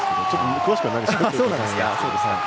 詳しくはないですが。